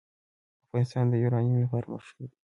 افغانستان د یورانیم لپاره مشهور دی.